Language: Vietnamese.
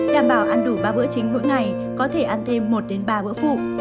đảm bảo ăn đủ ba bữa chính mỗi ngày có thể ăn thêm một ba bữa phụ